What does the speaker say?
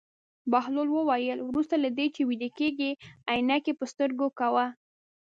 بهلول وویل: وروسته له دې چې ویده کېږې عینکې په سترګو کوه.